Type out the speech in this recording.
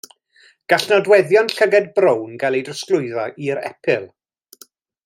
Gall nodweddion llygad brown gael ei drosglwyddo i'r epil.